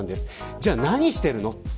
じゃあ何をしているのか。